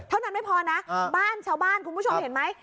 เท่านั้นไม่พอนะบ้านชาวบ้านคุณผู้ชมเห็นไหม